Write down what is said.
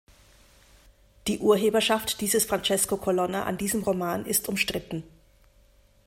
Die Urheberschaft dieses Francesco Colonna an diesem Roman ist umstritten.